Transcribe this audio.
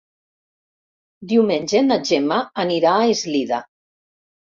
Diumenge na Gemma anirà a Eslida.